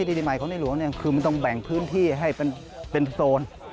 ประเศษฐิริมัยของเยี่ยมชาวนี้คือมันต้องแบ่งพื้นที่ให้เป็นโซน